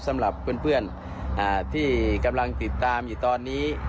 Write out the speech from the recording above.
สำหรับเพื่อนที่กำลังติดตามอยู่ตอนนี้